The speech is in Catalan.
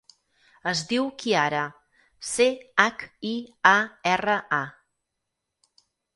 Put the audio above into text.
Es diu Chiara: ce, hac, i, a, erra, a.